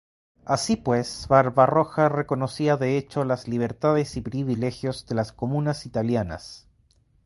Así pues, Barbarroja reconocía de hecho las libertades y privilegios de las comunas italianas.